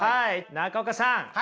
中岡さん